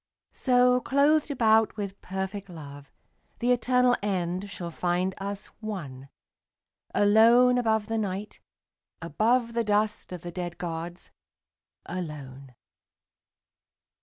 So, clothed about with perfect love, The eternal end shall find us one, Alone above the Night, above The dust of the dead gods, alone.